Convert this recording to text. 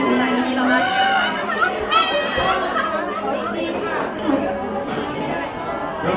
โปรดติดตามต่อไป